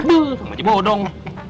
aduh sama cipo dong